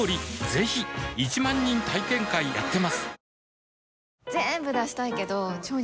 ぜひ１万人体験会やってますはぁ。